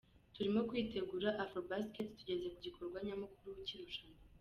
Turimo turitegura Afro-Basket, tugeze ku gikorwa nyamukuru cy’irushanwa.